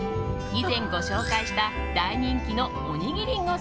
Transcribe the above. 以前ご紹介した大人気のおにぎりん